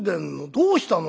どうしたの？」。